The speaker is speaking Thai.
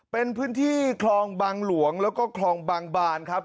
เป็นพื้นที่คลองบางหลวงแล้วก็คลองบางบานครับ